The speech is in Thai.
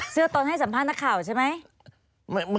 ตนให้สัมภาษณ์นักข่าวใช่ไหม